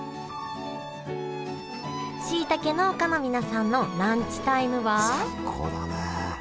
しいたけ農家の皆さんのランチタイムはいや！